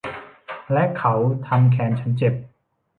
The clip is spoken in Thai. และเขาทำแขนฉันเจ็บ